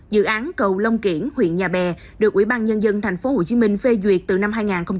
dự án cầu long kiển huyện nhà bè được ủy ban nhân dân tp hcm phê duyệt từ năm hai nghìn một mươi một